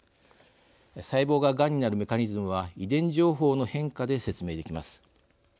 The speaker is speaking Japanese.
細胞が、がんになるメカニズムは遺伝情報の変化で説明できます。